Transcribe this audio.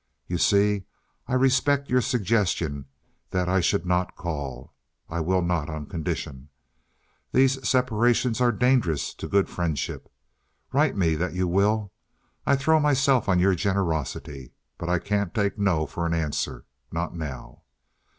"You see, I respect your suggestion that I should not call. (I will not—on condition.) These separations are dangerous to good friendship. Write me that you will. I throw myself on your generosity. But I can't take "no" for an answer, not now.